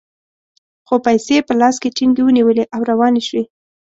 خو پیسې یې په لاس کې ټینګې ونیولې او روانې شوې.